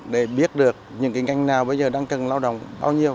để biết được những cái ngành nào bây giờ đang cần lao động bao nhiêu